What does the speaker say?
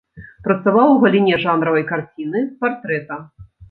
Працаваў у галіне жанравай карціны, партрэта.